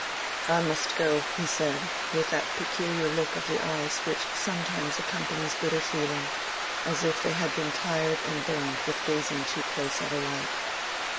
"I must go," he said, with that peculiar look of the eyes which sometimes accompanies bitter feeling, as if they had been tired and burned with gazing too close at a light.